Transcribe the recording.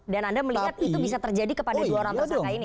dan anda melihat itu bisa terjadi kepada dua orang tersangka ini